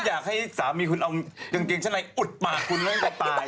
แล้วให้สามีคุณเอาเกงเกงฉันในอุดปากคุณแล้วให้ตาย